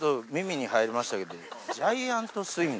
ジャイアントスイング。